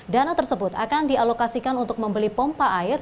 dana tersebut akan dialokasikan untuk membeli pompa air